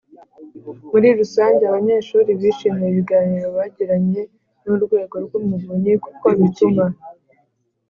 Muri rusange abanyeshuri bishimiye ibiganiro bagiranye n Urwego rw Umuvunyi kuko bituma